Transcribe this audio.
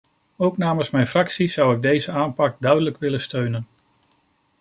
Ook namens mijn fractie zou ik deze aanpak duidelijk willen steunen.